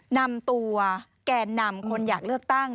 นำตัวแก่นำคนอยากเลือกตั้ง